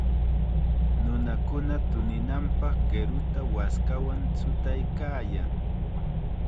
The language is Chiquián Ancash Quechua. Nunakuna tuninanpaq qiruta waskawan chutaykaayan.